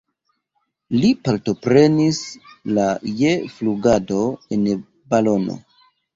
Li partoprenis la je flugado en balono.